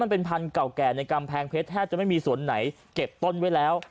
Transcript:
เป็นพันธุ์เก่าแก่ในกำแพงเพชรแทบจะไม่มีสวนไหนเก็บต้นไว้แล้ว